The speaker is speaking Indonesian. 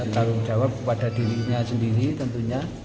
tanggung jawab kepada dirinya sendiri tentunya